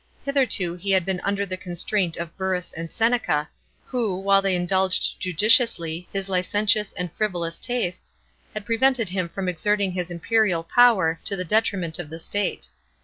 Hitherto he had been under the constraint of Burrus and Seneca, who, while they indulged judiciously his licentious and frivolous tastes, had prevented him from exerting his imperial power to the 62 A.D POPP.EA AND TIGELLINUS. 281 detriment of the state.